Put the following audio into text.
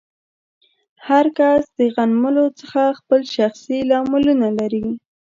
هر کس د غنملو څخه خپل شخصي لاملونه لري.